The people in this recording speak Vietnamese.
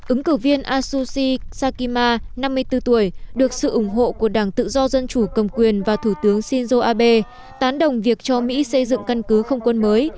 ứng cử viên asushi sakima năm mươi bốn tuổi được sự ủng hộ của đảng tự do dân chủ cầm quyền và thủ tướng shinzo abe tán đồng việc cho mỹ xây dựng căn cứ không quân mới